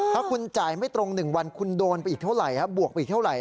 ถ้าคุณจ่ายไม่ตรง๑วันคุณโดนไปอีกเท่าไหร่บวกไปอีกเท่าไหร